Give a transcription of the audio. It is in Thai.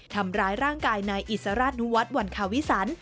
ทำร้ายร่างกายนายอิสราชนุวัฒน์วันคาวิสัน